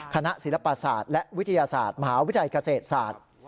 ศิลปศาสตร์และวิทยาศาสตร์มหาวิทยาลัยเกษตรศาสตร์